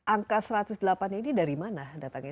angka satu ratus delapan ini dari mana datangnya